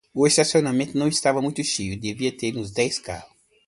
O estacionamento não estava muito cheio, devia ter uns dez carros.